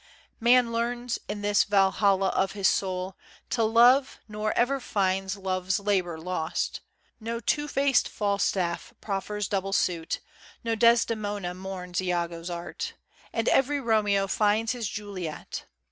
Man learns, in this Valhalla of his soul, To love, nor ever finds "Love's Labor Lost." No two faced Falstaff proffers double suit; No Desdemona mourns Iago's art; And every Romeo finds his Juliet.